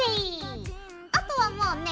あとはもうね